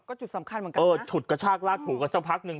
ก็จุดสำคัญเหมือนกันนะเออฉุดกระชากลาดถูกกันเจ้าพักนึง